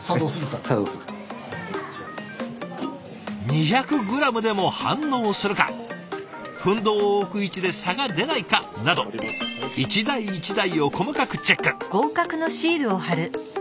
２００ｇでも反応するか分銅を置く位置で差が出ないかなど一台一台を細かくチェック。